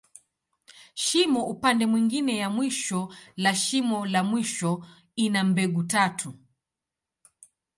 Shimo upande mwingine ya mwisho la shimo la mwisho, ina mbegu tatu.